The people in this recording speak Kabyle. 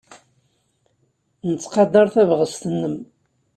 Nettqadar tabɣest-nwen.